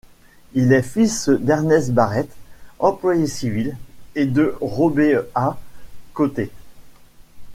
Il est fils d'Ernest Barrette, employé civil, et de Robéa Côté.